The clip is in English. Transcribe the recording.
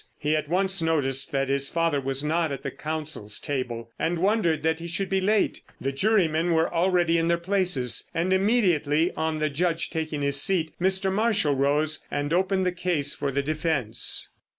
He at once noticed that his father was not at the counsels' table, and wondered that he should be late. The jurymen were already in their places, and immediately, on the judge taking his seat, Mr. Marshall rose and opened the case for the defence.